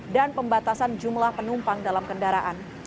pembatasan jumlah penumpang dalam kendaraan